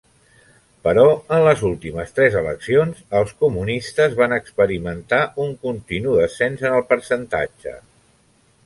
Però en les últimes tres eleccions els comunistes van experimentar un continu descens en el percentatge.